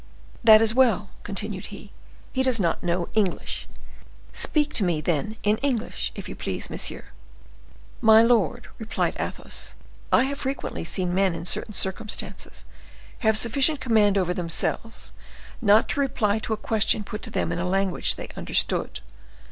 "That is well," continued he: "he does not know English. Speak to me, then, in English, if you please, monsieur." "My lord," replied Athos, "I have frequently seen men in certain circumstances have sufficient command over themselves not to reply to a question put to them in a language they understood.